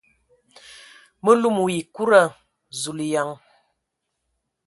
Mə lum wa ekuda ! Zulǝyan!